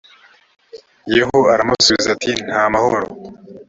yehu aramusubiza ati nta mahoro